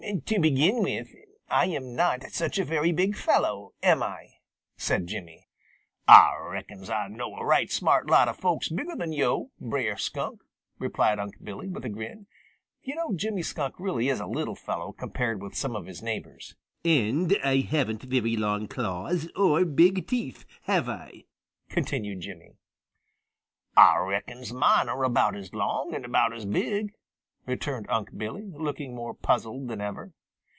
"To begin with, I am not such a very big fellow, am I?" said Jimmy. "Ah reckons Ah knows a right smart lot of folks bigger than yo', Brer Skunk," replied Unc' Billy, with a grin. You know Jimmy Skunk really is a little fellow compared with some of his neighbors. "And I haven't very long claws or very big teeth, have I?" continued Jimmy. "Ah reckons mine are about as long and about as big," returned Unc' Billy, looking more puzzled than ever.